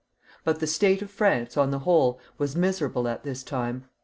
But the state of France, on the whole, was miserable at this time.